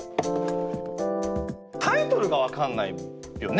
タイトルが分かんないよね？